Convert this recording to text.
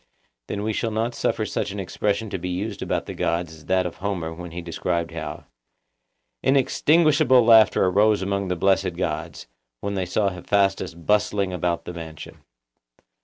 Then we shall not suffer such an expression to be used about the gods as that of Homer when he describes how 'Inextinguishable laughter arose among the blessed gods, when they saw Hephaestus bustling about the mansion.